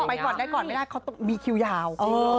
ไปก่อนไม่ได้เพราะมีคิวยาว